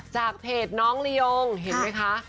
จากเพจน้องลียงเห็นไหมคะ